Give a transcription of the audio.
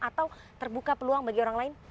atau terbuka peluang bagi orang lain